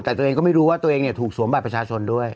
แต่ตัวเองก็ไม่รู้ว่าตัวเองถูกสวมบัตรประชาชนด้วย